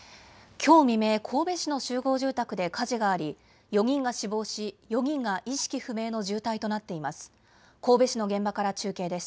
きょう未明、神戸市の集合住宅で火事があり、４人が死亡し、４人が意識不明の重体となっています。